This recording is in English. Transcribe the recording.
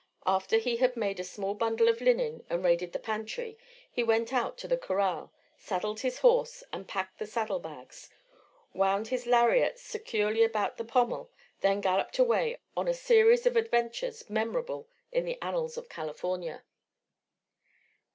After he had made a small bundle of linen and raided the pantry, he went out to the corral, saddled his horse and packed the saddle bags, wound his lariat securely about the pommel, then galloped away on a series of adventures memorable in the annals of California.